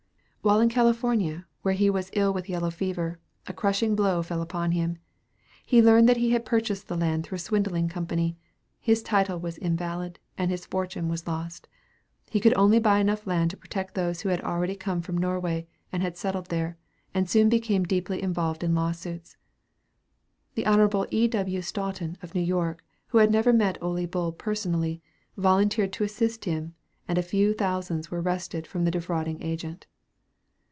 While in California, where he was ill with yellow fever, a crushing blow fell upon him. He learned that he had purchased the land through a swindling company, his title was invalid, and his fortune was lost. He could only buy enough land to protect those who had already come from Norway, and had settled there, and soon became deeply involved in lawsuits. Hon. E. W. Stoughton of New York, who had never met Ole Bull personally, volunteered to assist him, and a few thousands were wrested from the defrauding agent.